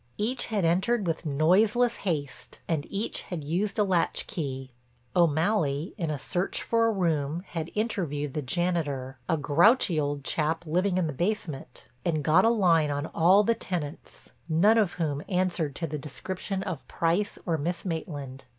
Each had entered with noiseless haste and each had used a latchkey. O'Malley in a search for a room had interviewed the janitor, a grouchy old chap living in the basement; and got a line on all the tenants, none of whom answered to the description of Price or Miss Maitland.